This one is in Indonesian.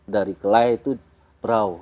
dari kelai itu brau